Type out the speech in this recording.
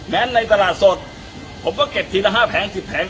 ในตลาดสดผมก็เก็บทีละ๕แผง๑๐แผง